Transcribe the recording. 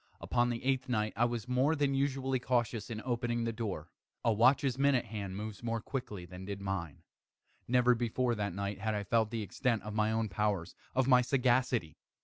Upon the eighth night I was more than usually cautious in opening the door. A watch's minute hand moves more quickly than did mine. Never before that night had I felt the extent of my own powers of my sagacity.